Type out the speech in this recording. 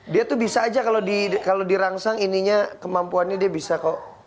dia tuh bisa aja kalau dirangsang ininya kemampuannya dia bisa kok